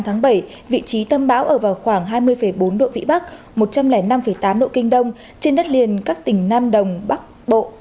ngày bảy vị trí tâm bão ở vào khoảng hai mươi bốn độ vĩ bắc một trăm linh năm tám độ kinh đông trên đất liền các tỉnh nam đông bắc bộ